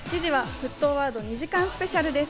沸騰ワード』２時間スペシャルです。